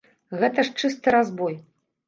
Гэта ж чысты разбой!